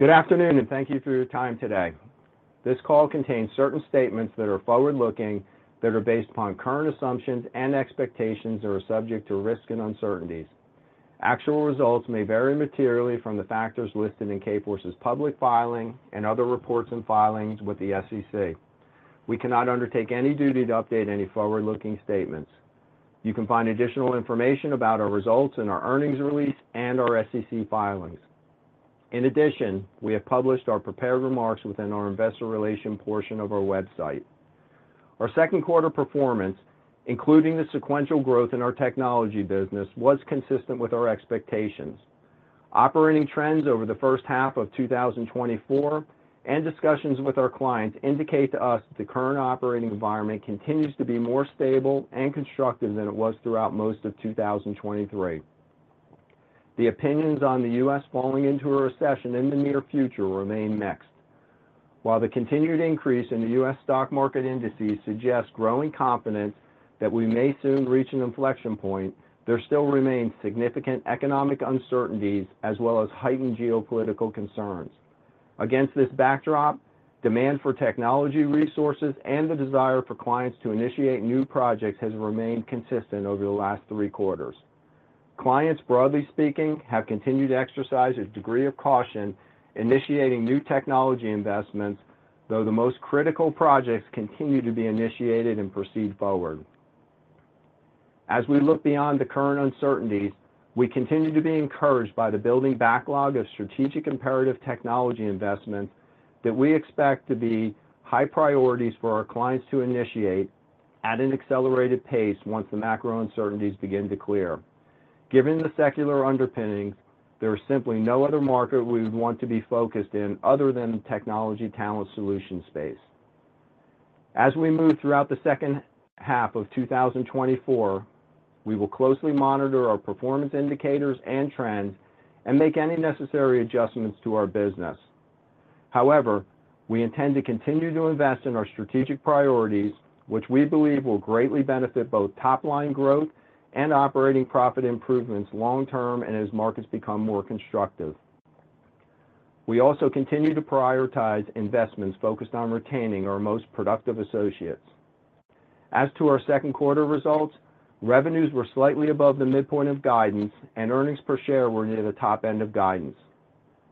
Good afternoon, and thank you for your time today. This call contains certain statements that are forward-looking, that are based upon current assumptions and expectations, that are subject to risks and uncertainties. Actual results may vary materially from the factors listed in Kforce's public filing and other reports and filings with the SEC. We cannot undertake any duty to update any forward-looking statements. You can find additional information about our results in our earnings release and our SEC filings. In addition, we have published our prepared remarks within our investor relations portion of our website. Our second quarter performance, including the sequential growth in our technology business, was consistent with our expectations. Operating trends over the first half of 2024, and discussions with our clients indicate to us that the current operating environment continues to be more stable and constructive than it was throughout most of 2023. The opinions on the U.S. falling into a recession in the near future remain mixed. While the continued increase in the U.S. stock market indices suggests growing confidence that we may soon reach an inflection point, there still remains significant economic uncertainties as well as heightened geopolitical concerns. Against this backdrop, demand for technology resources and the desire for clients to initiate new projects has remained consistent over the last three quarters. Clients, broadly speaking, have continued to exercise a degree of caution, initiating new technology investments, though the most critical projects continue to be initiated and proceed forward. As we look beyond the current uncertainties, we continue to be encouraged by the building backlog of strategic imperative technology investments that we expect to be high priorities for our clients to initiate at an accelerated pace once the macro uncertainties begin to clear. Given the secular underpinning, there is simply no other market we would want to be focused in other than the technology talent solution space. As we move throughout the second half of 2024, we will closely monitor our performance indicators and trends and make any necessary adjustments to our business. However, we intend to continue to invest in our strategic priorities, which we believe will greatly benefit both top-line growth and operating profit improvements long-term and as markets become more constructive. We also continue to prioritize investments focused on retaining our most productive associates. As to our second quarter results, revenues were slightly above the midpoint of guidance, and earnings per share were near the top end of guidance.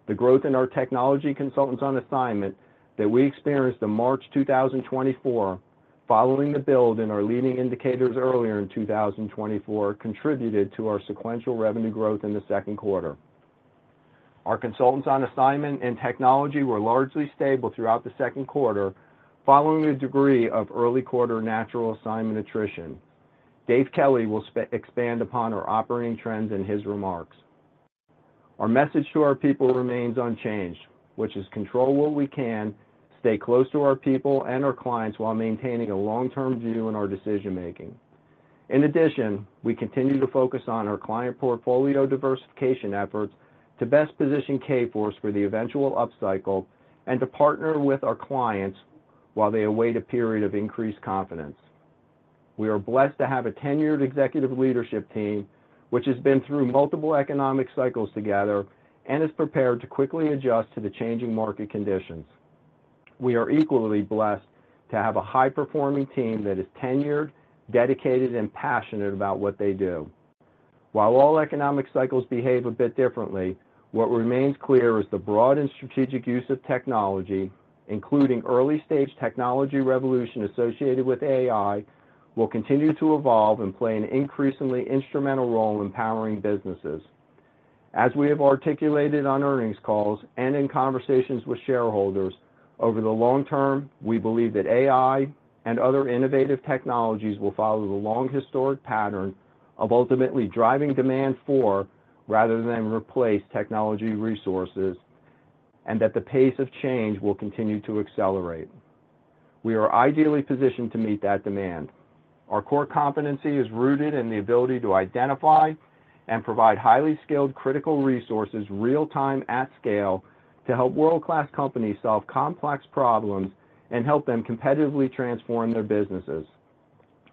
The growth in our technology consultants on assignment that we experienced in March 2024, following the build in our leading indicators earlier in 2024, contributed to our sequential revenue growth in the second quarter. Our consultants on assignment in technology were largely stable throughout the second quarter, following a degree of early quarter natural assignment attrition. Dave Kelly will expand upon our operating trends in his remarks. Our message to our people remains unchanged, which is control what we can, stay close to our people and our clients while maintaining a long-term view in our decision-making. In addition, we continue to focus on our client portfolio diversification efforts to best position Kforce for the eventual upcycle and to partner with our clients while they await a period of increased confidence. We are blessed to have a tenured executive leadership team, which has been through multiple economic cycles together and is prepared to quickly adjust to the changing market conditions. We are equally blessed to have a high-performing team that is tenured, dedicated, and passionate about what they do. While all economic cycles behave a bit differently, what remains clear is the broad and strategic use of technology, including early-stage technology revolution associated with AI, will continue to evolve and play an increasingly instrumental role in powering businesses. As we have articulated on earnings calls and in conversations with shareholders, over the long term, we believe that AI and other innovative technologies will follow the long historic pattern of ultimately driving demand for, rather than replace, technology resources, and that the pace of change will continue to accelerate. We are ideally positioned to meet that demand. Our core competency is rooted in the ability to identify and provide highly skilled, critical resources, real-time, at scale, to help world-class companies solve complex problems and help them competitively transform their businesses.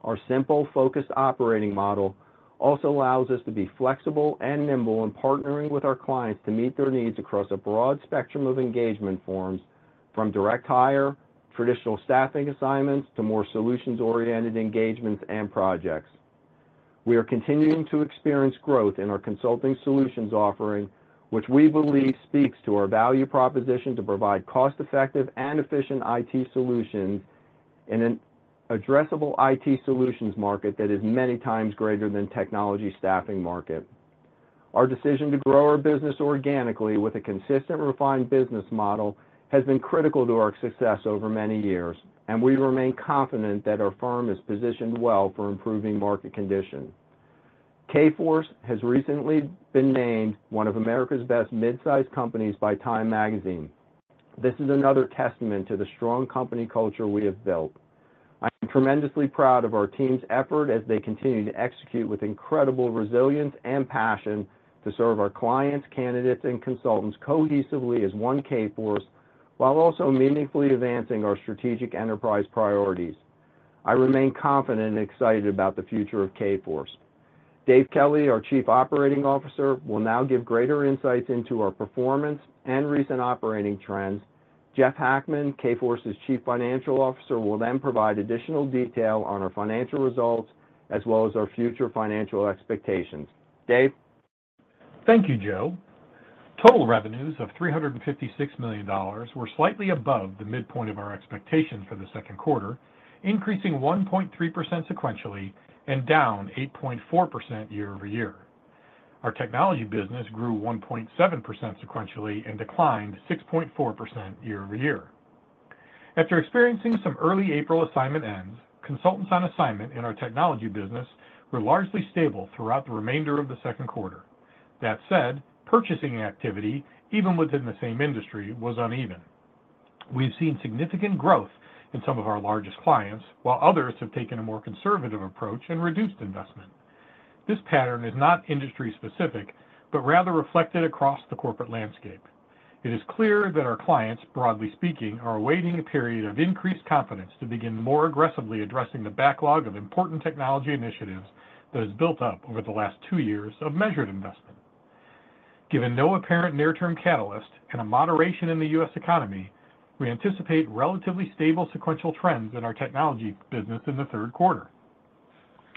Our simple, focused operating model also allows us to be flexible and nimble in partnering with our clients to meet their needs across a broad spectrum of engagement forms, from direct hire, traditional staffing assignments, to more solutions-oriented engagements and projects. We are continuing to experience growth in our consulting solutions offering, which we believe speaks to our value proposition to provide cost-effective and efficient IT solutions in an addressable IT solutions market that is many times greater than technology staffing market. Our decision to grow our business organically with a consistent, refined business model has been critical to our success over many years, and we remain confident that our firm is positioned well for improving market conditions. Kforce has recently been named one of America's Best Mid-Sized Companies by TIME. This is another testament to the strong company culture we have built. I am tremendously proud of our team's effort as they continue to execute with incredible resilience and passion to serve our clients, candidates, and consultants cohesively as one Kforce, while also meaningfully advancing our strategic enterprise priorities. I remain confident and excited about the future of Kforce.... Dave Kelly, our Chief Operating Officer, will now give greater insights into our performance and recent operating trends. Jeff Hackman, Kforce's Chief Financial Officer, will then provide additional detail on our financial results, as well as our future financial expectations. Dave? Thank you, Joe. Total revenues of $356 million were slightly above the midpoint of our expectations for the second quarter, increasing 1.3% sequentially and down 8.4% year-over-year. Our technology business grew 1.7% sequentially and declined 6.4% year-over-year. After experiencing some early April assignment ends, consultants on assignment in our technology business were largely stable throughout the remainder of the second quarter. That said, purchasing activity, even within the same industry, was uneven. We've seen significant growth in some of our largest clients, while others have taken a more conservative approach and reduced investment. This pattern is not industry specific, but rather reflected across the corporate landscape. It is clear that our clients, broadly speaking, are awaiting a period of increased confidence to begin more aggressively addressing the backlog of important technology initiatives that has built up over the last two years of measured investment. Given no apparent near-term catalyst and a moderation in the U.S. economy, we anticipate relatively stable sequential trends in our technology business in the third quarter.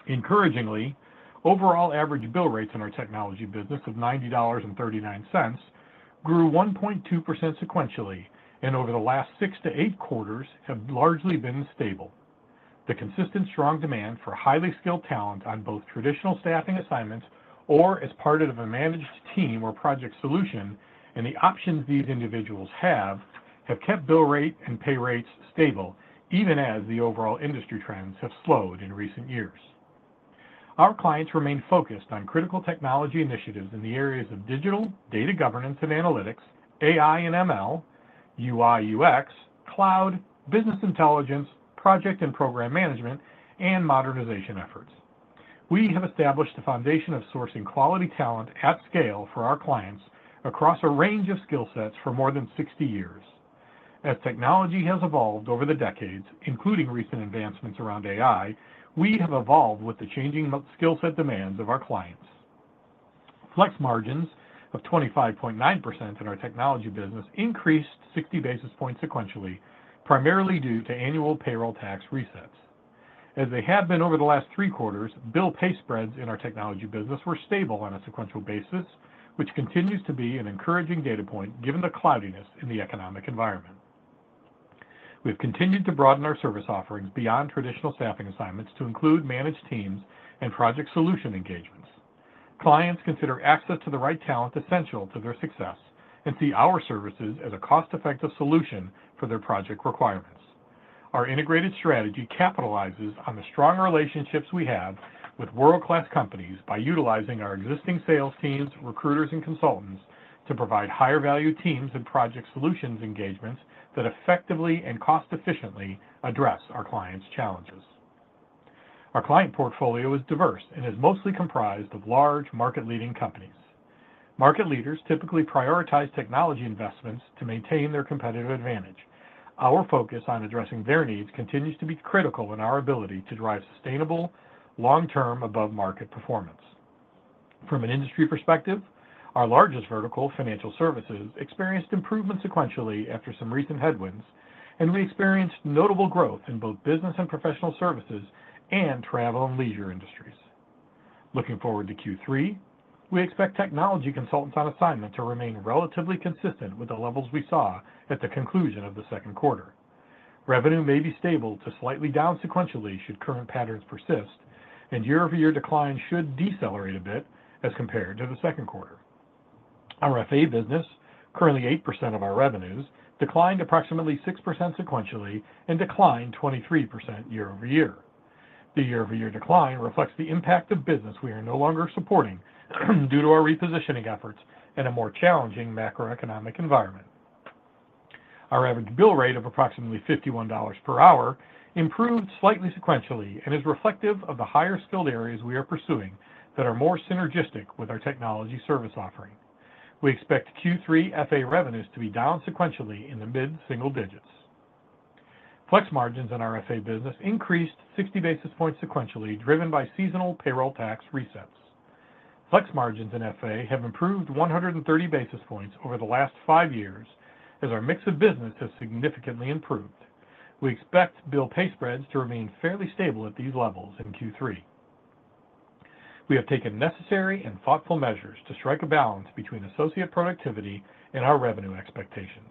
Encouragingly, overall average bill rates in our technology business of $90.39 grew 1.2% sequentially, and over the last six to eight quarters have largely been stable. The consistent, strong demand for highly skilled talent on both traditional staffing assignments or as part of a managed team or project solution, and the options these individuals have, have kept bill rate and pay rates stable, even as the overall industry trends have slowed in recent years. Our clients remain focused on critical technology initiatives in the areas of digital, data governance and analytics, AI and ML, UI, UX, cloud, business intelligence, project and program management, and modernization efforts. We have established a foundation of sourcing quality talent at scale for our clients across a range of skill sets for more than 60 years. As technology has evolved over the decades, including recent advancements around AI, we have evolved with the changing skill set demands of our clients. Flex margins of 25.9% in our technology business increased 60 basis points sequentially, primarily due to annual payroll tax resets. As they have been over the last three quarters, bill-pay spreads in our technology business were stable on a sequential basis, which continues to be an encouraging data point, given the cloudiness in the economic environment. We've continued to broaden our service offerings beyond traditional staffing assignments to include managed teams and project solution engagements. Clients consider access to the right talent essential to their success and see our services as a cost-effective solution for their project requirements. Our integrated strategy capitalizes on the strong relationships we have with world-class companies by utilizing our existing sales teams, recruiters, and consultants to provide higher value teams and project solutions engagements that effectively and cost-efficiently address our clients' challenges. Our client portfolio is diverse and is mostly comprised of large, market-leading companies. Market leaders typically prioritize technology investments to maintain their competitive advantage. Our focus on addressing their needs continues to be critical in our ability to drive sustainable, long-term, above-market performance. From an industry perspective, our largest vertical, financial services, experienced improvement sequentially after some recent headwinds, and we experienced notable growth in both business and professional services and travel and leisure industries. Looking forward to Q3, we expect technology consultants on assignment to remain relatively consistent with the levels we saw at the conclusion of the second quarter. Revenue may be stable to slightly down sequentially, should current patterns persist, and year-over-year decline should decelerate a bit as compared to the second quarter. Our FA business, currently 8% of our revenues, declined approximately 6% sequentially and declined 23% year over year. The year-over-year decline reflects the impact of business we are no longer supporting due to our repositioning efforts and a more challenging macroeconomic environment. Our average bill rate of approximately $51 per hour improved slightly sequentially and is reflective of the higher-skilled areas we are pursuing that are more synergistic with our technology service offering. We expect Q3 FA revenues to be down sequentially in the mid-single digits. Flex margins in our FA business increased 60 basis points sequentially, driven by seasonal payroll tax resets. Flex margins in FA have improved 130 basis points over the last five years as our mix of business has significantly improved. We expect bill-pay spreads to remain fairly stable at these levels in Q3. We have taken necessary and thoughtful measures to strike a balance between associate productivity and our revenue expectations.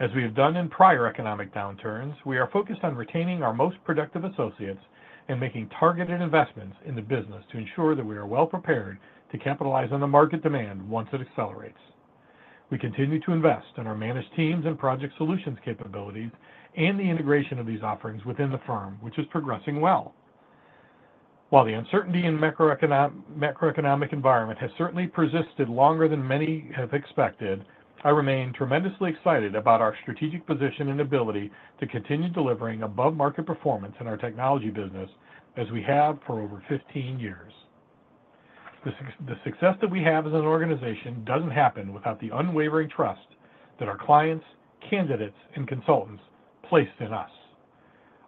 As we have done in prior economic downturns, we are focused on retaining our most productive associates and making targeted investments in the business to ensure that we are well-prepared to capitalize on the market demand once it accelerates. We continue to invest in our managed teams and project solutions capabilities and the integration of these offerings within the firm, which is progressing well. While the uncertainty in the macroeconomic environment has certainly persisted longer than many have expected, I remain tremendously excited about our strategic position and ability to continue delivering above-market performance in our technology business as we have for over 15 years. The success that we have as an organization doesn't happen without the unwavering trust that our clients, candidates, and consultants place in us.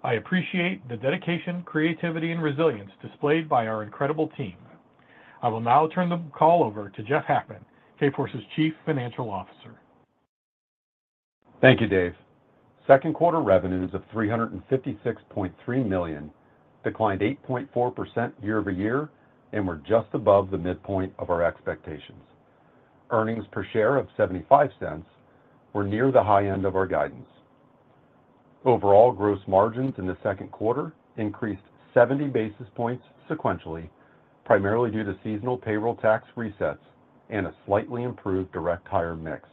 I appreciate the dedication, creativity, and resilience displayed by our incredible team. I will now turn the call over to Jeff Hackman, Kforce's Chief Financial Officer. Thank you, Dave. Second quarter revenues of $356.3 million declined 8.4% year-over-year and were just above the midpoint of our expectations. Earnings per share of $0.75 were near the high end of our guidance. Overall, gross margins in the second quarter increased 70 basis points sequentially, primarily due to seasonal payroll tax resets and a slightly improved direct hire mix.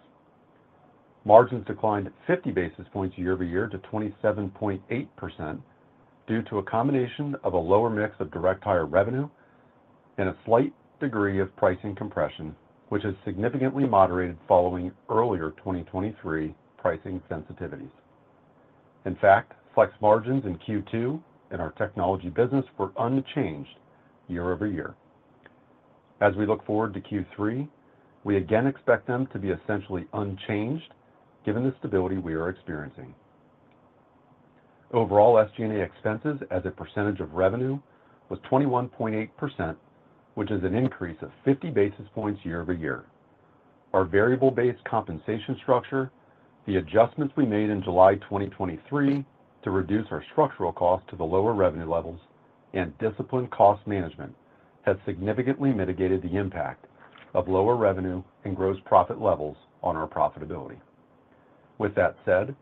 Margins declined 50 basis points year-over-year to 27.8% due to a combination of a lower mix of direct hire revenue and a slight degree of pricing compression, which has significantly moderated following earlier 2023 pricing sensitivities. In fact, flex margins in Q2 in our technology business were unchanged year-over-year. As we look forward to Q3, we again expect them to be essentially unchanged given the stability we are experiencing. Overall, SG&A expenses as a percentage of revenue was 21.8%, which is an increase of 50 basis points year over year. Our variable-based compensation structure, the adjustments we made in July 2023 to reduce our structural costs to the lower revenue levels, and disciplined cost management have significantly mitigated the impact of lower revenue and gross profit levels on our profitability. With that said,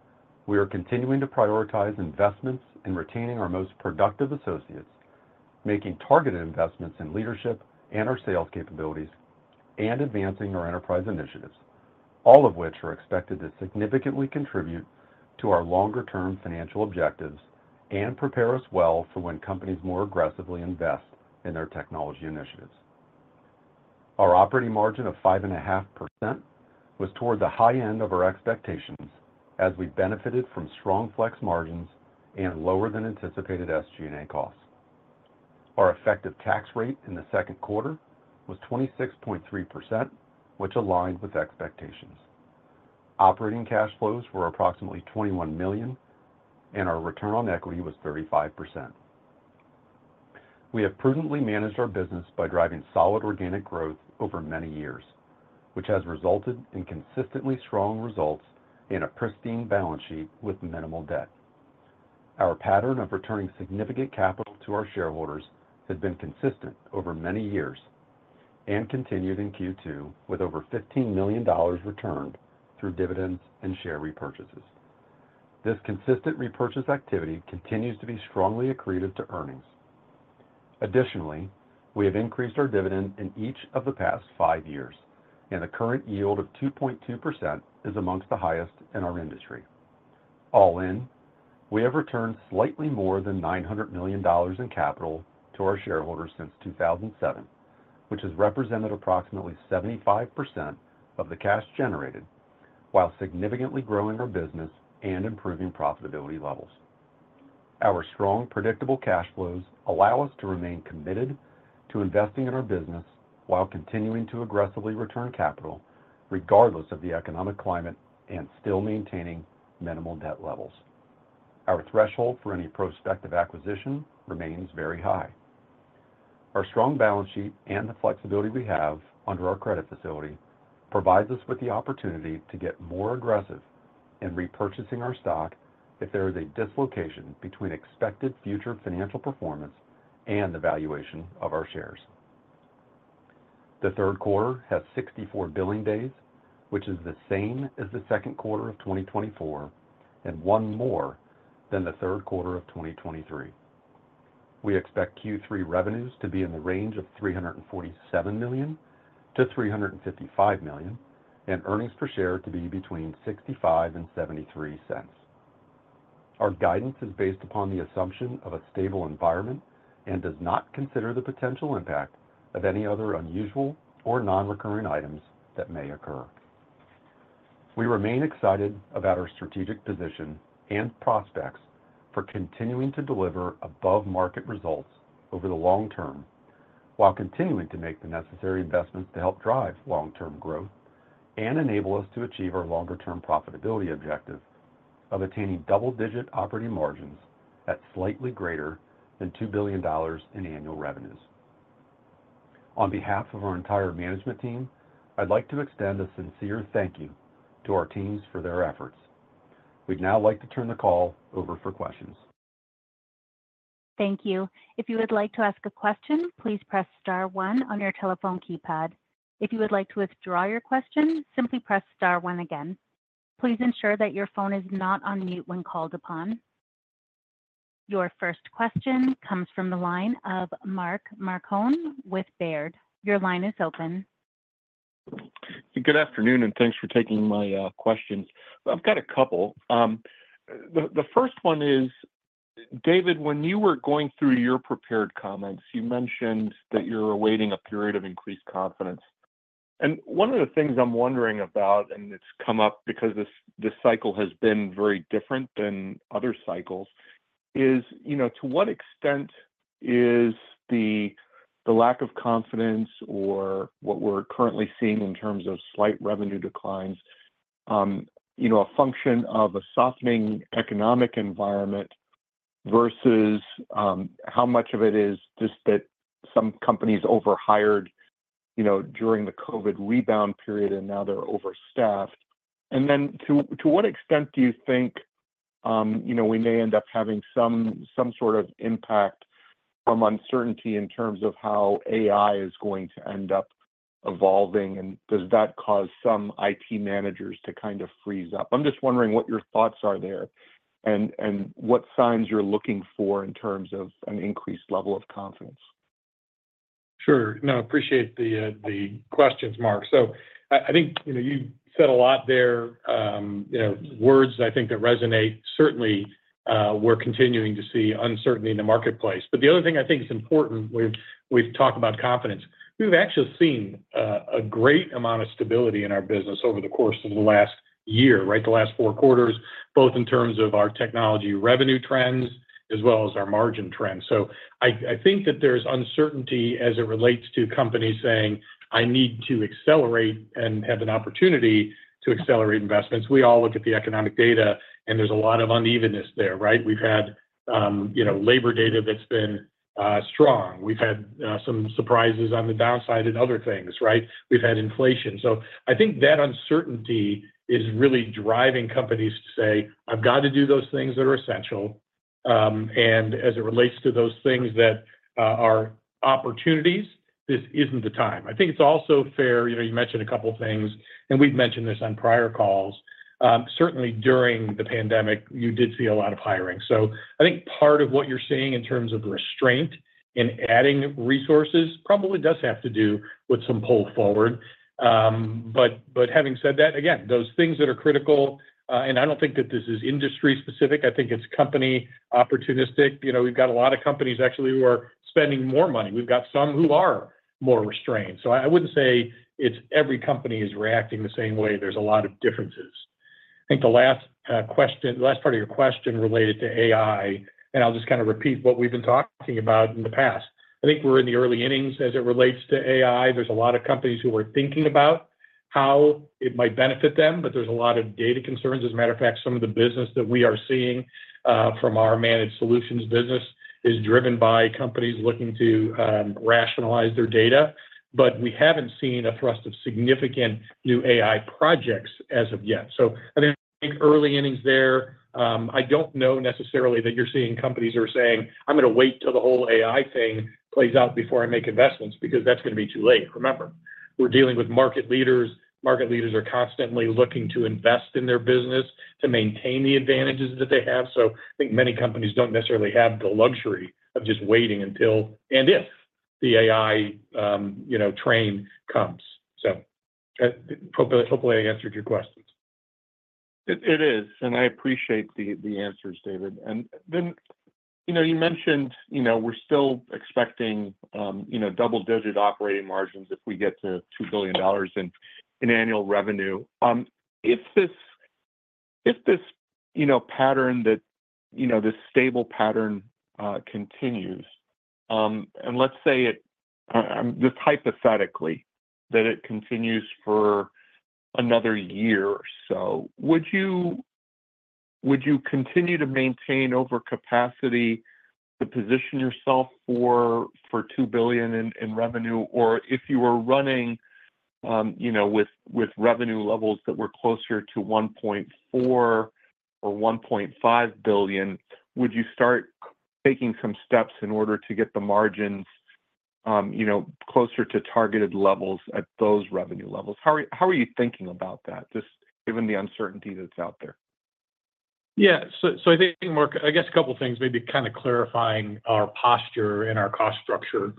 we are continuing to prioritize investments in retaining our most productive associates, making targeted investments in leadership and our sales capabilities, and advancing our enterprise initiatives, all of which are expected to significantly contribute to our longer-term financial objectives and prepare us well for when companies more aggressively invest in their technology initiatives. Our operating margin of 5.5% was toward the high end of our expectations as we benefited from strong flex margins and lower than anticipated SG&A costs. Our effective tax rate in the second quarter was 26.3%, which aligned with expectations. Operating cash flows were approximately $21 million, and our return on equity was 35%. We have prudently managed our business by driving solid organic growth over many years, which has resulted in consistently strong results and a pristine balance sheet with minimal debt. Our pattern of returning significant capital to our shareholders has been consistent over many years and continued in Q2 with over $15 million returned through dividends and share repurchases. This consistent repurchase activity continues to be strongly accretive to earnings. Additionally, we have increased our dividend in each of the past five years, and the current yield of 2.2% is amongst the highest in our industry. All in, we have returned slightly more than $900 million in capital to our shareholders since 2007, which has represented approximately 75% of the cash generated while significantly growing our business and improving profitability levels. Our strong, predictable cash flows allow us to remain committed to investing in our business while continuing to aggressively return capital regardless of the economic climate and still maintaining minimal debt levels. Our threshold for any prospective acquisition remains very high. Our strong balance sheet and the flexibility we have under our credit facility provides us with the opportunity to get more aggressive in repurchasing our stock if there is a dislocation between expected future financial performance and the valuation of our shares. The third quarter has 64 billing days, which is the same as the second quarter of 2024 and one more than the third quarter of 2023. We expect Q3 revenues to be in the range of $347 million-$355 million, and earnings per share to be between $0.65 and $0.73. Our guidance is based upon the assumption of a stable environment and does not consider the potential impact of any other unusual or non-recurring items that may occur. We remain excited about our strategic position and prospects for continuing to deliver above-market results over the long term, while continuing to make the necessary investments to help drive long-term growth and enable us to achieve our longer-term profitability objective of attaining double-digit operating margins at slightly greater than $2 billion in annual revenues. On behalf of our entire management team, I'd like to extend a sincere thank you to our teams for their efforts. We'd now like to turn the call over for questions. Thank you. If you would like to ask a question, please press star one on your telephone keypad. If you would like to withdraw your question, simply press star one again. Please ensure that your phone is not on mute when called upon. Your first question comes from the line of Mark Marcon with Baird. Your line is open. Good afternoon, and thanks for taking my questions. I've got a couple. The first one is, David, when you were going through your prepared comments, you mentioned that you're awaiting a period of increased confidence. And one of the things I'm wondering about, and it's come up because this cycle has been very different than other cycles is, you know, to what extent is the lack of confidence or what we're currently seeing in terms of slight revenue declines? You know, a function of a softening economic environment versus how much of it is just that some companies overhired, you know, during the COVID rebound period, and now they're overstaffed? And then to what extent do you think, you know, we may end up having some sort of impact from uncertainty in terms of how AI is going to end up evolving? And does that cause some IT managers to kind of freeze up? I'm just wondering what your thoughts are there, and what signs you're looking for in terms of an increased level of confidence. Sure. No, appreciate the questions, Mark. So I, I think, you know, you said a lot there. You know, words I think that resonate, certainly, we're continuing to see uncertainty in the marketplace. But the other thing I think is important when we've talked about confidence, we've actually seen a great amount of stability in our business over the course of the last year, right? The last four quarters, both in terms of our technology revenue trends as well as our margin trends. So I, I think that there's uncertainty as it relates to companies saying, "I need to accelerate and have an opportunity to accelerate investments." We all look at the economic data, and there's a lot of unevenness there, right? We've had, you know, labor data that's been strong. We've had some surprises on the downside in other things, right? We've had inflation. So I think that uncertainty is really driving companies to say, "I've got to do those things that are essential. And as it relates to those things that are opportunities, this isn't the time." I think it's also fair... You know, you mentioned a couple of things, and we've mentioned this on prior calls. Certainly, during the pandemic, you did see a lot of hiring. So I think part of what you're seeing in terms of restraint in adding resources probably does have to do with some pull forward. But having said that, again, those things that are critical, and I don't think that this is industry specific, I think it's company opportunistic. You know, we've got a lot of companies actually who are spending more money. We've got some who are more restrained. So I wouldn't say it's every company is reacting the same way. There's a lot of differences. I think the last question—the last part of your question related to AI, and I'll just kind of repeat what we've been talking about in the past. I think we're in the early innings as it relates to AI. There's a lot of companies who are thinking about how it might benefit them, but there's a lot of data concerns. As a matter of fact, some of the business that we are seeing from our managed solutions business is driven by companies looking to rationalize their data, but we haven't seen a thrust of significant new AI projects as of yet. So I think early innings there. I don't know necessarily that you're seeing companies are saying, "I'm gonna wait till the whole AI thing plays out before I make investments," because that's gonna be too late. Remember, we're dealing with market leaders. Market leaders are constantly looking to invest in their business to maintain the advantages that they have. So I think many companies don't necessarily have the luxury of just waiting until, and if the AI, you know, train comes. So hopefully, I answered your questions. It is, and I appreciate the answers, David. And then, you know, you mentioned, you know, we're still expecting, you know, double-digit operating margins if we get to $2 billion in annual revenue. If this, you know, pattern that you know this stable pattern continues, and let's say it just hypothetically that it continues for another year or so, would you continue to maintain over capacity to position yourself for $2 billion in revenue? Or if you were running, you know, with revenue levels that were closer to $1.4 billion or $1.5 billion, would you start taking some steps in order to get the margins, you know, closer to targeted levels at those revenue levels? How are you thinking about that, just given the uncertainty that's out there? Yeah. So I think, Mark, I guess a couple of things, maybe kind of clarifying our posture and our cost structure.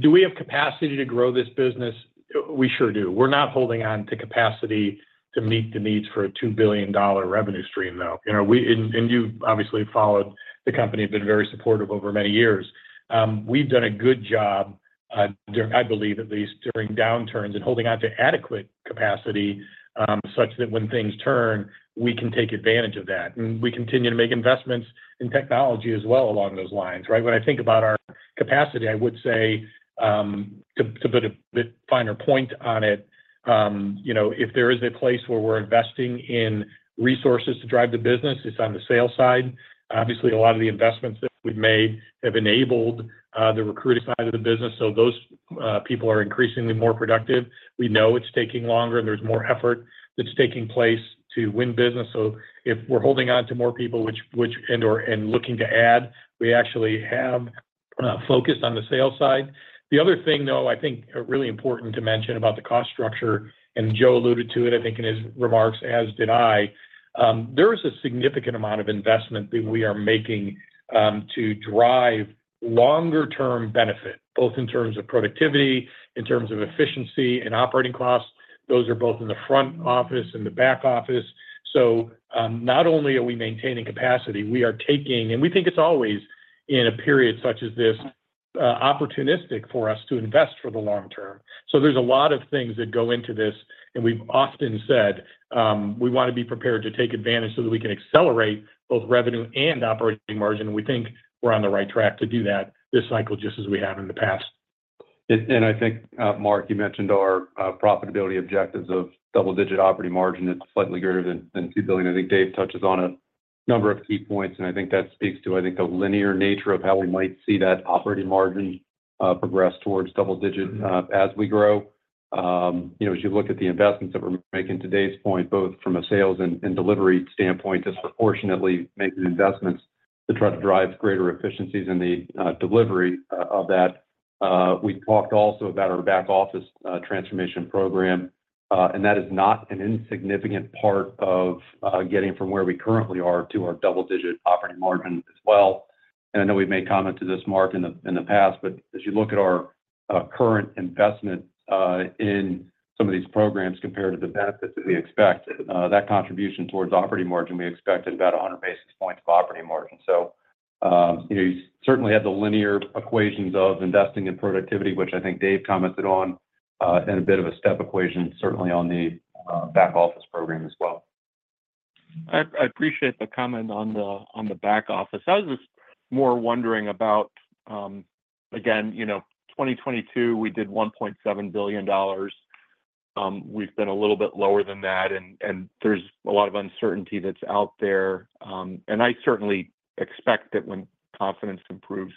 Do we have capacity to grow this business? We sure do. We're not holding on to capacity to meet the needs for a $2 billion revenue stream, though. You know, we. And you've obviously followed the company, have been very supportive over many years. We've done a good job during, I believe, at least during downturns and holding on to adequate capacity, such that when things turn, we can take advantage of that. And we continue to make investments in technology as well along those lines, right? When I think about our capacity, I would say to put a bit finer point on it, you know, if there is a place where we're investing in resources to drive the business, it's on the sales side. Obviously, a lot of the investments that we've made have enabled the recruiting side of the business, so those people are increasingly more productive. We know it's taking longer and there's more effort that's taking place to win business. So if we're holding on to more people, which and/or and looking to add, we actually have focused on the sales side. The other thing, though, I think are really important to mention about the cost structure, and Joe alluded to it, I think, in his remarks, as did I, there is a significant amount of investment that we are making, to drive longer term benefit, both in terms of productivity, in terms of efficiency and operating costs. Those are both in the front office and the back office. So, not only are we maintaining capacity, we are taking. And we think it's always in a period such as this, opportunistic for us to invest for the long term. So there's a lot of things that go into this, and we've often said, we want to be prepared to take advantage so that we can accelerate both revenue and operating margin, and we think we're on the right track to do that this cycle, just as we have in the past. And I think, Mark, you mentioned our profitability objectives of double-digit operating margin. It's slightly greater than $2 billion. I think Dave touches on a number of key points, and I think that speaks to, I think, the linear nature of how we might see that operating margin progress towards double digit as we grow. You know, as you look at the investments that we're making at this point, both from a sales and delivery standpoint, just proportionately making investments to try to drive greater efficiencies in the delivery of that. We've talked also about our back office transformation program, and that is not an insignificant part of getting from where we currently are to our double-digit operating margin as well. And I know we've made comment to this, Mark, in the past, but as you look at our current investment in some of these programs compared to the benefits that we expect, that contribution towards operating margin, we expect at about 100 basis points of operating margin. So, you know, you certainly have the linear equations of investing in productivity, which I think Dave commented on, and a bit of a step equation, certainly on the, back office program as well. I appreciate the comment on the back office. I was just more wondering about, again, you know, 2022, we did $1.7 billion. We've been a little bit lower than that, and there's a lot of uncertainty that's out there. And I certainly expect that when confidence improves,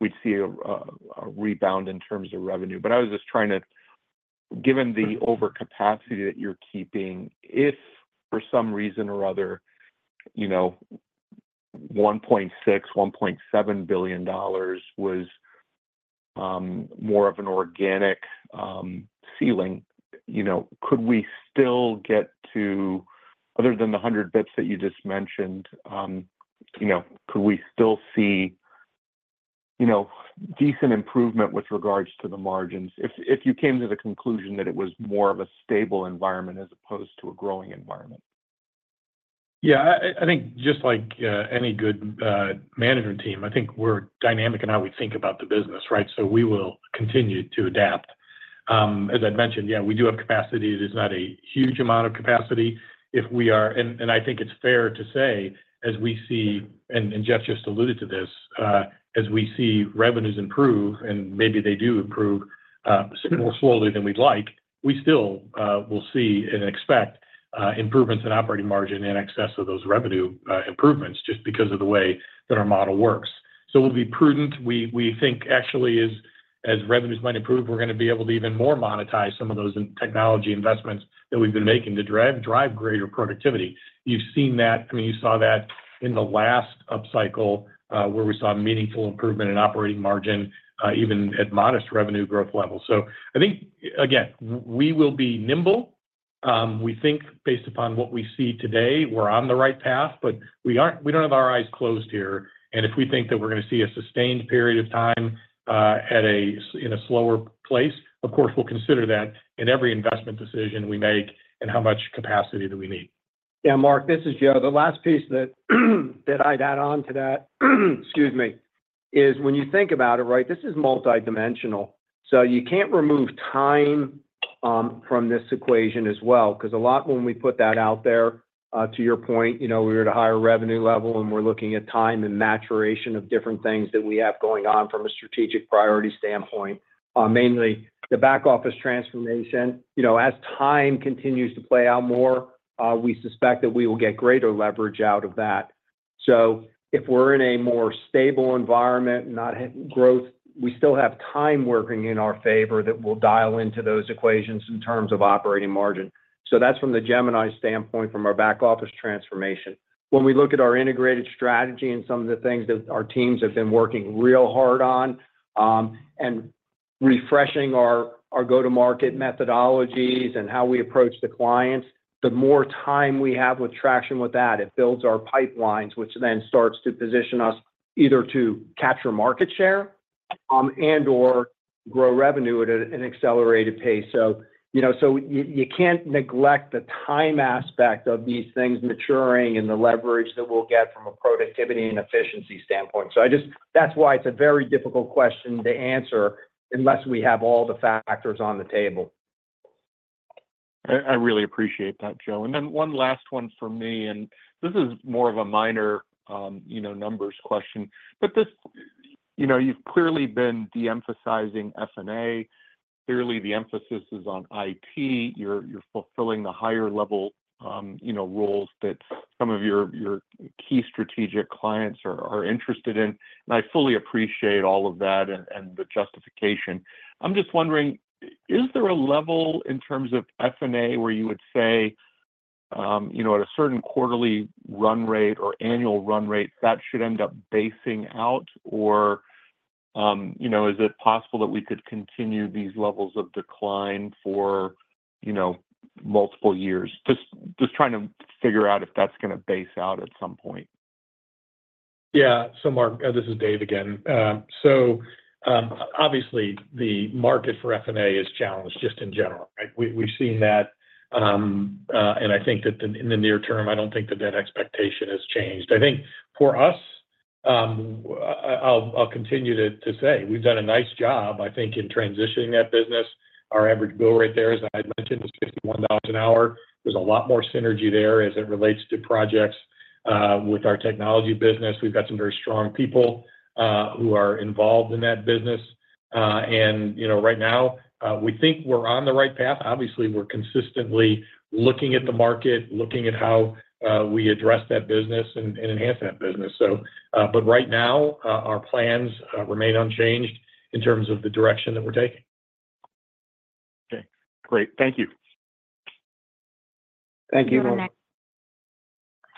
we'd see a rebound in terms of revenue. But I was just trying to... Given the overcapacity that you're keeping, if for some reason or other, you know, $1.6 billion-$1.7 billion was more of an organic ceiling, you know, could we still get to, other than the 100 basis points that you just mentioned, you know, could we still see, you know, decent improvement with regards to the margins if, if you came to the conclusion that it was more of a stable environment as opposed to a growing environment? Yeah, I think just like any good management team, I think we're dynamic in how we think about the business, right? So we will continue to adapt. As I'd mentioned, yeah, we do have capacity. There's not a huge amount of capacity. And I think it's fair to say, as we see, and Jeff just alluded to this, as we see revenues improve, and maybe they do improve more slowly than we'd like, we still will see and expect improvements in operating margin in excess of those revenue improvements just because of the way that our model works. So we'll be prudent. We think actually as revenues might improve, we're gonna be able to even more monetize some of those technology investments that we've been making to drive greater productivity. You've seen that- I mean, you saw that in the last upcycle, where we saw meaningful improvement in operating margin, even at modest revenue growth levels. So I think, again, we will be nimble. We think based upon what we see today, we're on the right path, but we aren't- we don't have our eyes closed here, and if we think that we're gonna see a sustained period of time, in a slower place, of course, we'll consider that in every investment decision we make and how much capacity do we need. Yeah, Mark, this is Joe. The last piece that I'd add on to that, excuse me, is when you think about it, right, this is multidimensional, so you can't remove time from this equation as well. 'Cause a lot when we put that out there, to your point, you know, we were at a higher revenue level, and we're looking at time and maturation of different things that we have going on from a strategic priority standpoint, mainly the back office transformation. You know, as time continues to play out more, we suspect that we will get greater leverage out of that. So if we're in a more stable environment, not high growth, we still have time working in our favor that will dial into those equations in terms of operating margin. So that's from the Gemini standpoint, from our back office transformation. When we look at our integrated strategy and some of the things that our teams have been working real hard on, and refreshing our, our go-to-market methodologies and how we approach the clients, the more time we have with traction with that, it builds our pipelines, which then starts to position us either to capture market share, and/or grow revenue at an accelerated pace. So, you know, so you can't neglect the time aspect of these things maturing and the leverage that we'll get from a productivity and efficiency standpoint. That's why it's a very difficult question to answer unless we have all the factors on the table. I really appreciate that, Joe. Then one last one for me, and this is more of a minor, you know, numbers question. This, you know, you've clearly been de-emphasizing F&A. Clearly, the emphasis is on IT. You're fulfilling the higher level, you know, roles that some of your key strategic clients are interested in, and I fully appreciate all of that and the justification. I'm just wondering, is there a level in terms of F&A where you would say, you know, at a certain quarterly run rate or annual run rate, that should end up basing out, or, you know, is it possible that we could continue these levels of decline for, you know, multiple years? Just trying to figure out if that's gonna base out at some point. Yeah. So Mark, this is Dave again. Obviously, the market for F&A is challenged just in general, right? We, we've seen that, and I think that in the near term, I don't think that that expectation has changed. I think for us, I'll continue to say we've done a nice job, I think, in transitioning that business. Our average bill rate there, as I had mentioned, is $51 per hour. There's a lot more synergy there as it relates to projects with our technology business. We've got some very strong people who are involved in that business. And, you know, right now, we think we're on the right path. Obviously, we're consistently looking at the market, looking at how we address that business and enhance that business. Right now, our plans remain unchanged in terms of the direction that we're taking. Okay, great. Thank you. Thank you.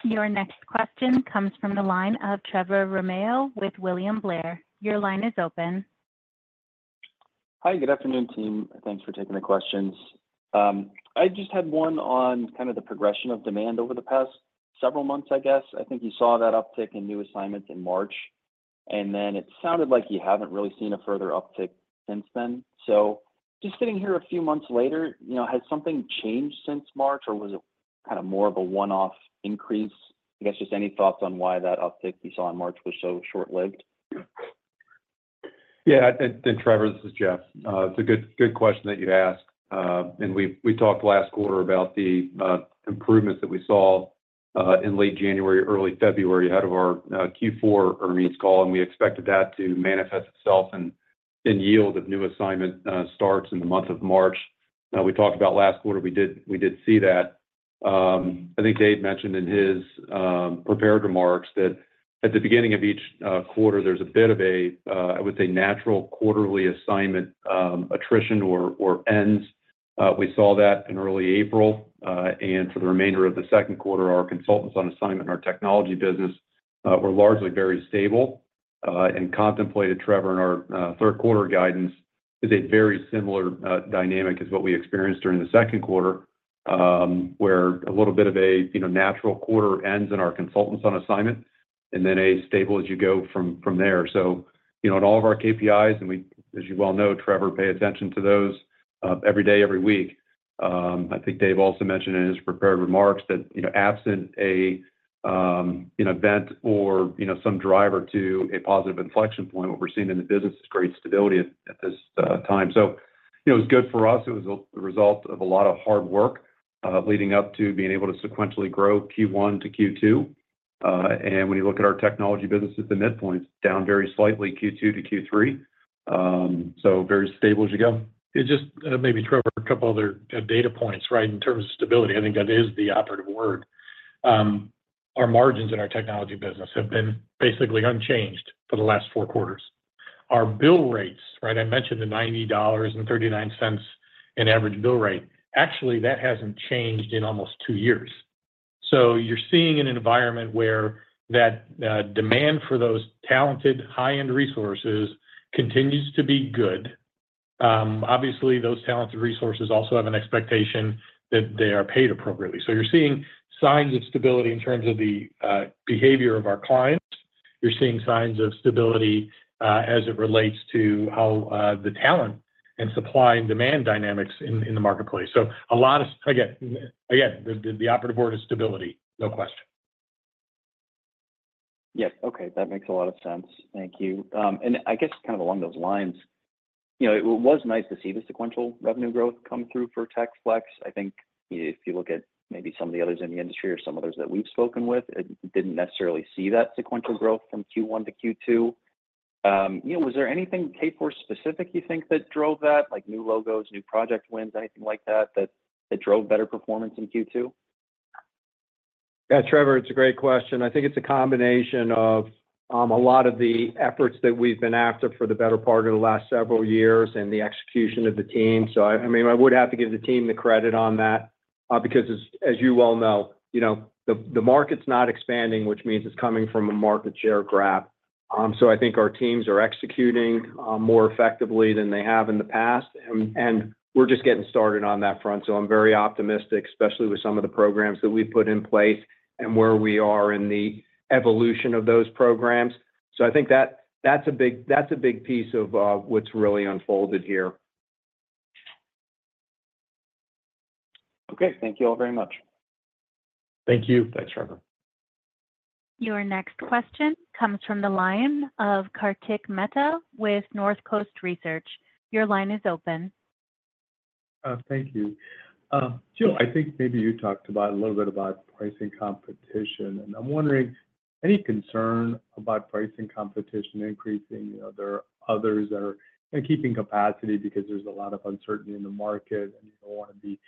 Your next question comes from the line of Trevor Romeo with William Blair. Your line is open. Hi, good afternoon, team. Thanks for taking the questions. I just had one on kind of the progression of demand over the past several months, I guess. I think you saw that uptick in new assignments in March, and then it sounded like you haven't really seen a further uptick since then. So just sitting here a few months later, you know, has something changed since March, or was it kind of more of a one-off increase? I guess just any thoughts on why that uptick we saw in March was so short-lived? Yeah. And Trevor, this is Jeff. It's a good question that you asked. And we talked last quarter about the improvements that we saw in late January, early February, ahead of our Q4 earnings call, and we expected that to manifest itself in yield of new assignment starts in the month of March. We talked about last quarter; we did see that. I think Dave mentioned in his prepared remarks that at the beginning of each quarter, there's a bit of a, I would say, natural quarterly assignment attrition or ends. We saw that in early April. And for the remainder of the second quarter, our consultants on assignment in our technology business were largely very stable. And contemplated, Trevor, in our, third quarter guidance, is a very similar, dynamic as what we experienced during the second quarter, where a little bit of a, you know, natural quarter ends in our consultants on assignment, and then a stable as you go from there. So, you know, in all of our KPIs, and we, as you well know, Trevor, pay attention to those, every day, every week. I think Dave also mentioned in his prepared remarks that, you know, absent a, an event or, you know, some driver to a positive inflection point, what we're seeing in the business is great stability at this time. So, you know, it's good for us. It was a result of a lot of hard work, leading up to being able to sequentially grow Q1 to Q2. When you look at our technology business at the midpoint, down very slightly, Q2 to Q3. Very stable as you go. It just maybe, Trevor, a couple other data points, right? In terms of stability, I think that is the operative word. Our margins in our technology business have been basically unchanged for the last four quarters. Our bill rates, right, I mentioned the $90.39 in average bill rate. Actually, that hasn't changed in almost two years. So you're seeing an environment where that demand for those talented, high-end resources continues to be good. Obviously, those talented resources also have an expectation that they are paid appropriately. So you're seeing signs of stability in terms of the behavior of our clients. You're seeing signs of stability as it relates to how the talent and supply and demand dynamics in the marketplace. So again, the operative word is stability, no question. Yes. Okay, that makes a lot of sense. Thank you. And I guess kind of along those lines, you know, it was nice to see the sequential revenue growth come through for Tech Flex. I think if you look at maybe some of the others in the industry or some others that we've spoken with, it didn't necessarily see that sequential growth from Q1 to Q2. You know, was there anything Kforce specific you think that drove that, like new logos, new project wins, anything like that, that drove better performance in Q2? Yeah, Trevor, it's a great question. I think it's a combination of a lot of the efforts that we've been after for the better part of the last several years and the execution of the team. So I mean, I would have to give the team the credit on that because as you well know, you know, the market's not expanding, which means it's coming from a market share grab. So I think our teams are executing more effectively than they have in the past, and we're just getting started on that front. So I'm very optimistic, especially with some of the programs that we've put in place and where we are in the evolution of those programs. So I think that, that's a big, that's a big piece of what's really unfolded here. Okay. Thank you all very much. Thank you. Thanks, Trevor. Your next question comes from the line of Kartik Mehta with Northcoast Research. Your line is open. Thank you. Joe, I think maybe you talked about a little bit about pricing competition, and I'm wondering any concern about pricing competition increasing? You know, there are others that are keeping capacity because there's a lot of uncertainty in the market, and you don't want to be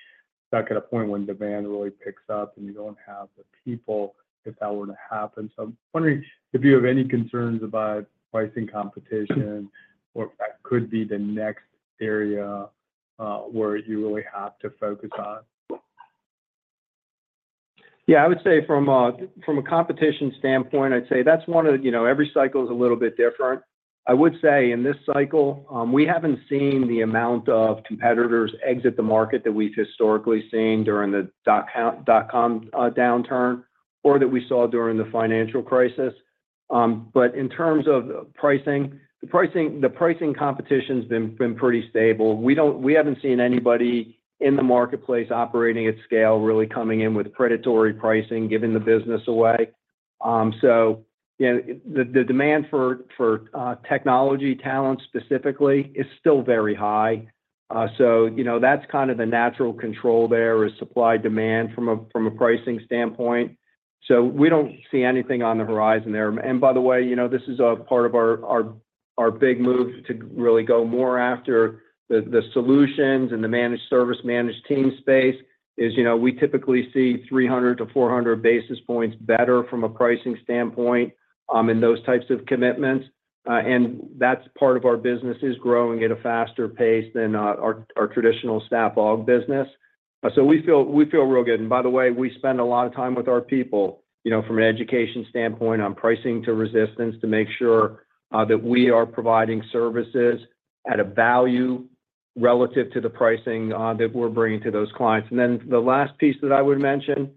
stuck at a point when demand really picks up and you don't have the people if that were to happen. So I'm wondering if you have any concerns about pricing competition or if that could be the next area where you really have to focus on? Yeah, I would say from a competition standpoint, I'd say that's one of... you know, every cycle is a little bit different. I would say in this cycle, we haven't seen the amount of competitors exit the market that we've historically seen during the dot-com downturn or that we saw during the financial crisis. But in terms of pricing, the pricing competition's been pretty stable. We haven't seen anybody in the marketplace operating at scale, really coming in with predatory pricing, giving the business away. So, you know, the demand for technology talent specifically is still very high. So, you know, that's kind of the natural control there, is supply-demand from a pricing standpoint. So we don't see anything on the horizon there. And by the way, you know, this is a part of our big move to really go more after the solutions and the managed service, managed team space. You know, we typically see 300 basis points-400 basis points better from a pricing standpoint in those types of commitments. And that's part of our business is growing at a faster pace than our traditional staff aug business. So we feel real good. And by the way, we spend a lot of time with our people, you know, from an education standpoint on pricing to resistance, to make sure that we are providing services at a value relative to the pricing that we're bringing to those clients. And then the last piece that I would mention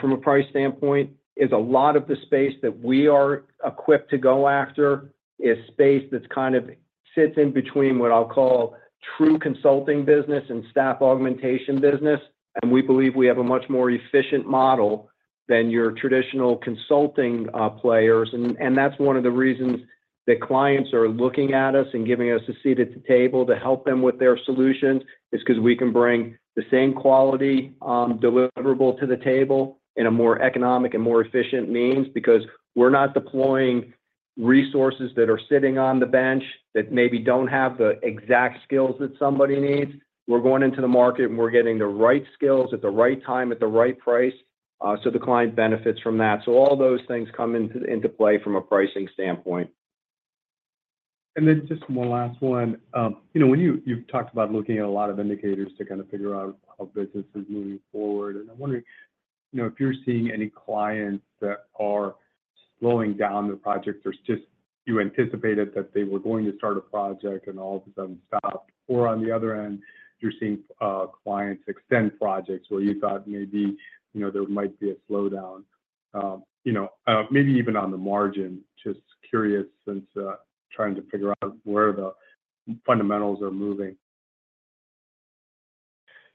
from a price standpoint is a lot of the space that we are equipped to go after is space that's kind of sits in between what I'll call true consulting business and staff augmentation business. And we believe we have a much more efficient model than your traditional consulting players. And that's one of the reasons that clients are looking at us and giving us a seat at the table to help them with their solutions, is 'cause we can bring the same quality deliverable to the table in a more economic and more efficient means. Because we're not deploying resources that are sitting on the bench that maybe don't have the exact skills that somebody needs. We're going into the market, and we're getting the right skills at the right time, at the right price, so the client benefits from that. So all those things come into play from a pricing standpoint. And then just one last one. You know, when you've talked about looking at a lot of indicators to kind of figure out how business is moving forward, and I'm wondering, you know, if you're seeing any clients that are slowing down their projects, or just you anticipated that they were going to start a project and all of a sudden stopped? Or on the other end, you're seeing, clients extend projects where you thought maybe, you know, there might be a slowdown, you know, maybe even on the margin. Just curious, since, trying to figure out where the fundamentals are moving.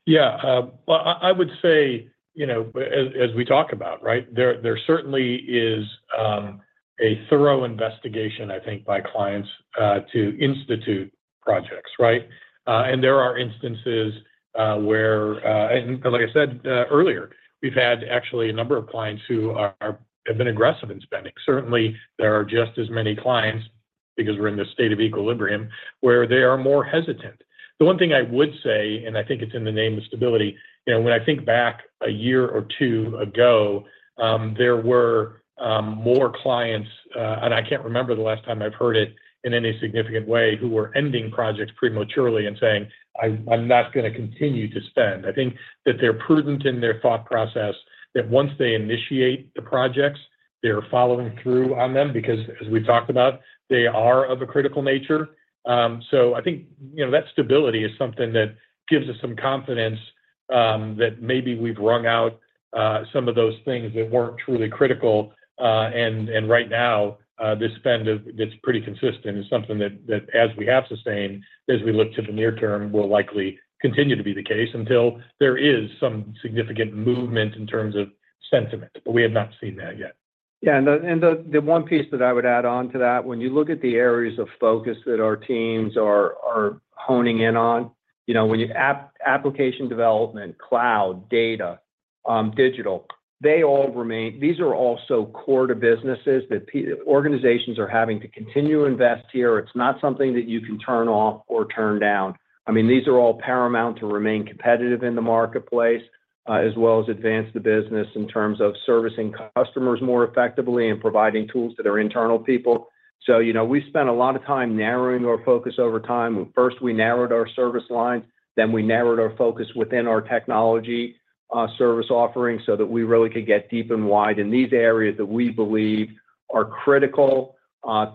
Yeah, well, I would say, you know, as we talk about, right? There certainly is a thorough investigation, I think, by clients to institute projects, right? And there are instances where... And like I said earlier, we've had actually a number of clients who have been aggressive in spending. Certainly, there are just as many clients, because we're in this state of equilibrium, where they are more hesitant. The one thing I would say, and I think it's in the name of stability, you know, when I think back a year or two ago, there were more clients, and I can't remember the last time I've heard it in any significant way, who were ending projects prematurely and saying, "I'm not gonna continue to spend." I think that they're prudent in their thought process, that once they initiate the projects, they're following through on them, because as we've talked about, they are of a critical nature. So I think, you know, that stability is something that gives us some confidence, that maybe we've wrung out some of those things that weren't truly critical. And right now, the spend, it's pretty consistent. It's something that as we have sustained, as we look to the near term, will likely continue to be the case until there is some significant movement in terms of sentiment, but we have not seen that yet. Yeah, and the one piece that I would add on to that, when you look at the areas of focus that our teams are honing in on, you know, when you... application development, cloud, data, digital, they all remain. These are also core to businesses that organizations are having to continue to invest here. It's not something that you can turn off or turn down. I mean, these are all paramount to remain competitive in the marketplace, as well as advance the business in terms of servicing customers more effectively and providing tools to their internal people. So, you know, we've spent a lot of time narrowing our focus over time. First, we narrowed our service lines, then we narrowed our focus within our technology service offerings, so that we really could get deep and wide in these areas that we believe are critical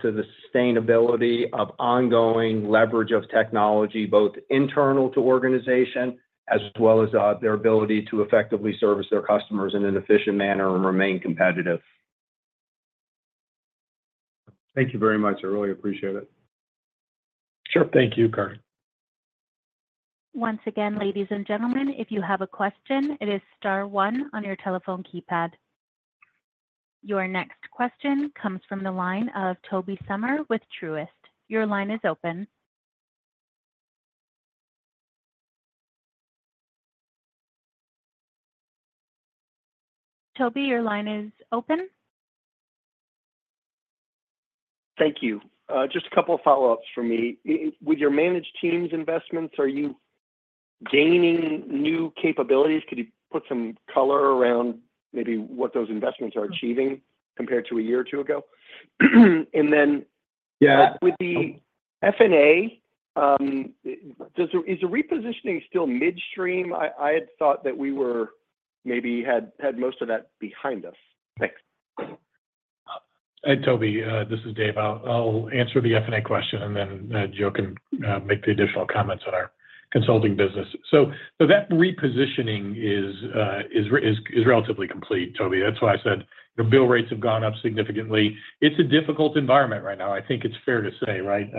to the sustainability of ongoing leverage of technology, both internal to organization as well as their ability to effectively service their customers in an efficient manner and remain competitive. Thank you very much. I really appreciate it. Sure. Thank you, Kartik. Once again, ladies and gentlemen, if you have a question, it is star one on your telephone keypad. Your next question comes from the line of Tobey Sommer with Truist. Your line is open. Tobey, your line is open. Thank you. Just a couple of follow-ups from me. With your managed teams investments, are you gaining new capabilities? Could you put some color around maybe what those investments are achieving compared to a year or two ago? And then- Yeah... with the F&A, is the repositioning still midstream? I had thought that we were, maybe had most of that behind us. Thanks. Tobey, this is Dave. I'll answer the F&A question, and then, Joe can make the additional comments on our consulting business. So, that repositioning is relatively complete, Tobey. That's why I said the bill rates have gone up significantly. It's a difficult environment right now, I think it's fair to say, right?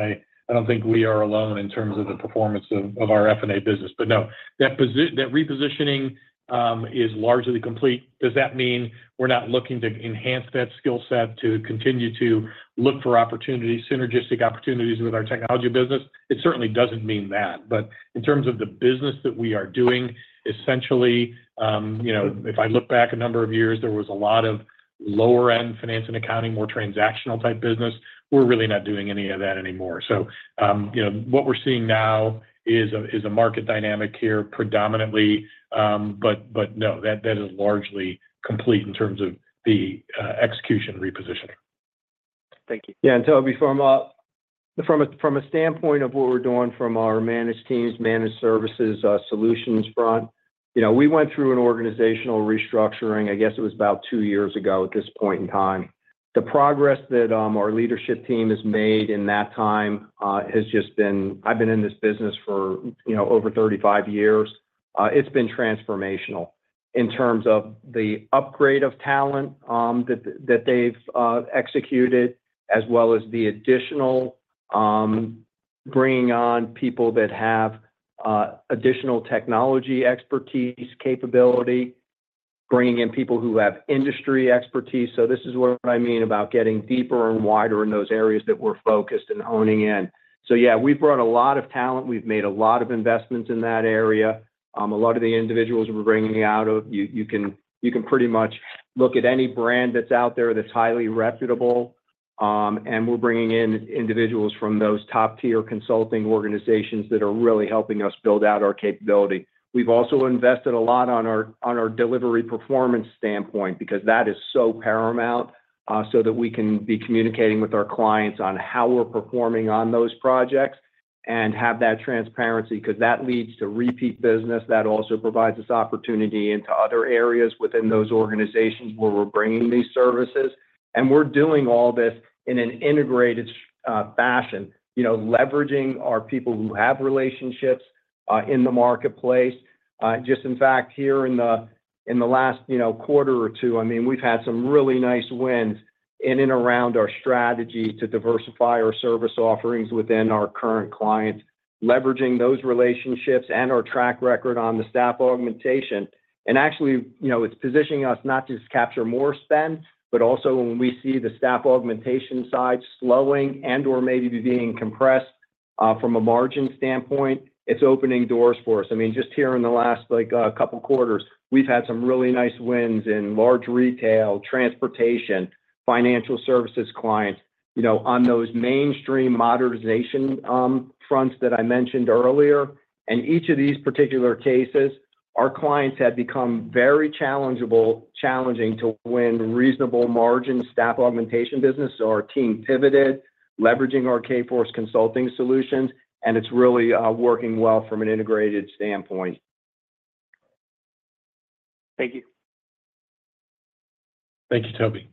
I don't think we are alone in terms of the performance of our F&A business. But no, that repositioning is largely complete. Does that mean we're not looking to enhance that skill set to continue to look for opportunities, synergistic opportunities with our technology business? It certainly doesn't mean that. But in terms of the business that we are doing, essentially, you know, if I look back a number of years, there was a lot of-... lower-end finance and accounting, more transactional type business, we're really not doing any of that anymore. So, you know, what we're seeing now is a market dynamic here predominantly. But no, that is largely complete in terms of the execution repositioning. Thank you. Yeah, and Tobey, from a standpoint of what we're doing from our managed teams, managed services, solutions front, you know, we went through an organizational restructuring, I guess it was about two years ago at this point in time. The progress that our leadership team has made in that time has just been. I've been in this business for, you know, over 35 years, it's been transformational in terms of the upgrade of talent that they've executed, as well as the additional bringing on people that have additional technology expertise capability, bringing in people who have industry expertise. So this is what I mean about getting deeper and wider in those areas that we're focused and honing in. So yeah, we've brought a lot of talent. We've made a lot of investments in that area. A lot of the individuals we're bringing out of... You can pretty much look at any brand that's out there that's highly reputable, and we're bringing in individuals from those top-tier consulting organizations that are really helping us build out our capability. We've also invested a lot on our delivery performance standpoint, because that is so paramount, so that we can be communicating with our clients on how we're performing on those projects and have that transparency, 'cause that leads to repeat business. That also provides us opportunity into other areas within those organizations where we're bringing these services. And we're doing all this in an integrated fashion, you know, leveraging our people who have relationships in the marketplace. Just in fact, here in the last, you know, quarter or two, I mean, we've had some really nice wins in and around our strategy to diversify our service offerings within our current clients, leveraging those relationships and our track record on the staff augmentation. And actually, you know, it's positioning us not to just capture more spend, but also when we see the staff augmentation side slowing and/or maybe being compressed, from a margin standpoint, it's opening doors for us. I mean, just here in the last, like, couple quarters, we've had some really nice wins in large retail, transportation, financial services clients, you know, on those mainstream modernization fronts that I mentioned earlier. And each of these particular cases, our clients have become very challenging to win reasonable margin staff augmentation business. So our team pivoted, leveraging our Kforce consulting solutions, and it's really working well from an integrated standpoint. Thank you. Thank you, Toby.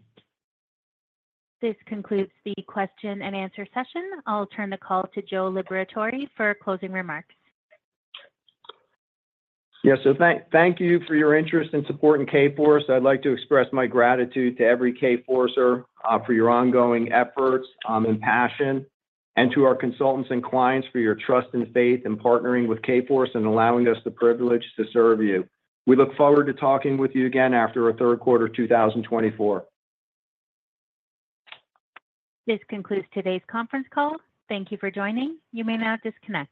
This concludes the question and answer session. I'll turn the call to Joe Liberatore for closing remarks. Yeah, so thank you for your interest in supporting Kforce. I'd like to express my gratitude to every Kforcer for your ongoing efforts and passion, and to our consultants and clients for your trust and faith in partnering with Kforce and allowing us the privilege to serve you. We look forward to talking with you again after our third quarter 2024. This concludes today's conference call. Thank you for joining. You may now disconnect.